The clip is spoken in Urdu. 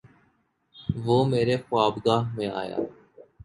وہ میری خوابگاہ میں آیا